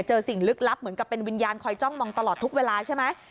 สิ่งลึกลับเหมือนกับเป็นวิญญาณคอยจ้องมองตลอดทุกเวลาใช่ไหม